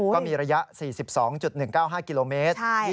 ก็มีระยะ๔๒๑๙๕กิโลเมตร